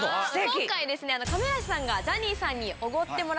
今回亀梨さんが。